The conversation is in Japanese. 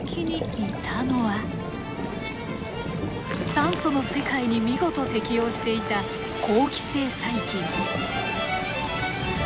酸素の世界に見事適応していた好気性細菌。